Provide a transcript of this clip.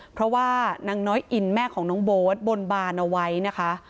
เพราะว่านางน้อยอินแม่ของน้องโบ๊ทบนบานเอาไว้นะคะ